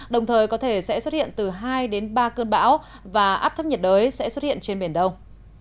đồng thời có thể sẽ xuất hiện từ hai đến ba cơn bão và áp thấp nhiệt đới sẽ xuất hiện trên biển đông